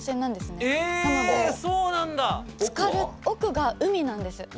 奧が海なんです。